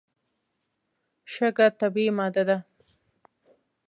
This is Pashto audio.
شګه طبیعي ماده ده.